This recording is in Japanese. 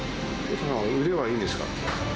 腕はいいんですか？